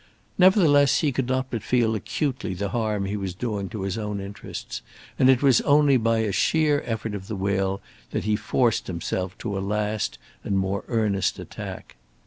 Nevertheless, he could not but feel acutely the harm he was doing to his own interests, and it was only by a sheer effort of the will that he forced himself to a last and more earnest attack.